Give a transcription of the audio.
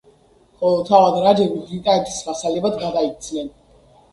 ხოლო თავად რაჯები ბრიტანეთის ვასალებად გადაიქცნენ.